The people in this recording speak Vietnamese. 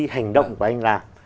hành động của anh làm